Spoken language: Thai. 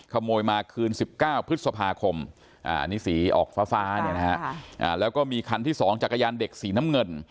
ขโมยมาคืน๑๙พฤษภาคมอันนี้สีออกฟ้าแล้วก็มีคันที่๒จักรยานเด็กสีน้ำเงิน